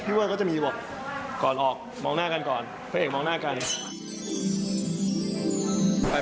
พี่เวิร์ดก็จะมีบอกก่อนออกมองหน้ากันก่อนเภกมองหน้ากัน